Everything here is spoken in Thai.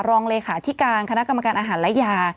รองเลขาธิการคณะกรรมการอาหารและยา